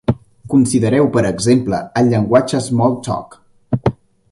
Considereu, per exemple, el llenguatge Smalltalk.